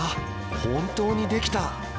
本当にできた！